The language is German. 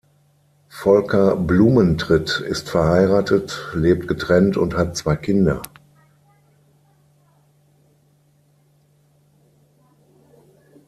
Volker Blumentritt ist verheiratet, lebt getrennt und hat zwei Kinder.